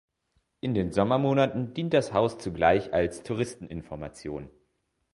In den Sommermonaten dient das Haus zugleich als Touristeninformation.